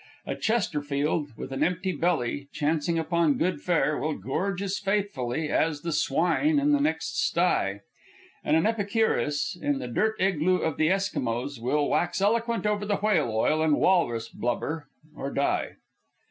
A Chesterfield, with an empty belly, chancing upon good fare, will gorge as faithfully as the swine in the next sty. And an Epicurus, in the dirt igloo of the Eskimos, will wax eloquent over the whale oil and walrus blubber, or die.